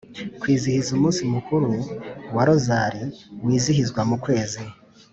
kwizihizwa umunsi mukuru wa rozali, wizihizwa mu kwezi